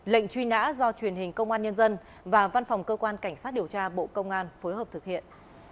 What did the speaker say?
lệnh truy nã do truyền hình công an nhân dân và văn phòng cơ quan cảnh sát điều tra bộ công an phối hợp thực hiện